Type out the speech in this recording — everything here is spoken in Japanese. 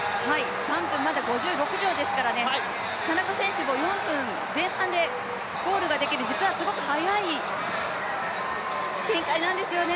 ３分５６秒ですから、田中選手、４分前半でゴールができる、実はすごく速い展開なんですよね。